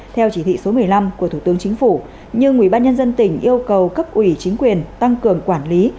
theo chỉ thị số một mươi năm của thủ tướng chính phủ nhưng ubnd tỉnh yêu cầu cấp ủy chính quyền tăng cường quản lý